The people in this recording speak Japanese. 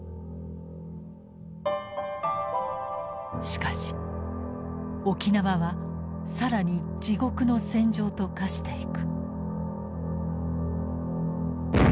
しかし沖縄は更に地獄の戦場と化していく。